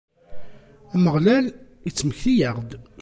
Ameɣlal ittmekti-aɣ-d.